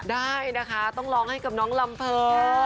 ได้นะคะต้องร้องให้กับน้องลำเพอร์